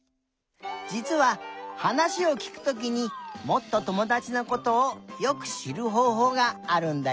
じつははなしをきくときにもっとともだちのことをよくしるほうほうがあるんだよ。